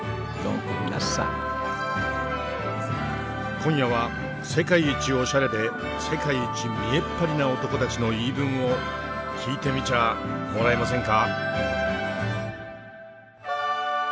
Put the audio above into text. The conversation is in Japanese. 今夜は世界一オシャレで世界一見栄っ張りな男たちの言い分を聞いてみちゃあもらえませんか？